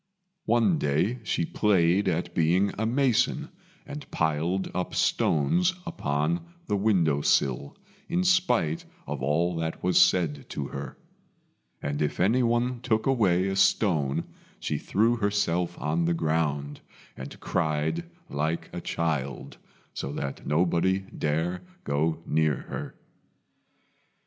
One day she played at being a mason, and piled up stones upon the window sill, in spite of all that was said to her; and if anyone took away a stone, she threw herself on the ground, and cried like a child, so that nobody dared go near her.